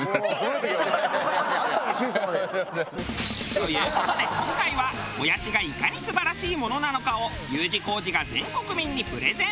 『Ｑさま！！』で。という事で今回はもやしがいかに素晴らしいものなのかをＵ字工事が全国民にプレゼン。